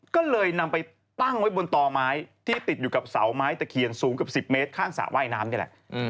ก็เลยนำไปตั้งไว้บนต่อไม้ที่ติดอยู่กับเสาไม้ตะเคียนสูงเกือบ๑๐เมตรข้างสระว่ายน้ำนี่แหละ